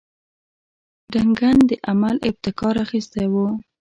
ډنکن د عمل ابتکار اخیستی وو.